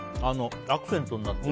アクセントになって。